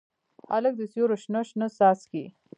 هلک د سیورو شنه، شنه څاڅکي